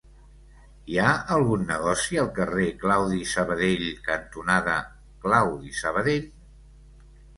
Hi ha algun negoci al carrer Claudi Sabadell cantonada Claudi Sabadell?